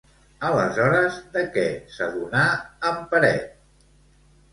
Aleshores, de què s'adonà en Peret?